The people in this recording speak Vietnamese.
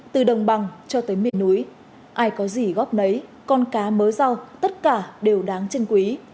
từ đồng bằng cho tới miền núi ai có gì góp nấy con cá mớ rau tất cả đều đáng chân quý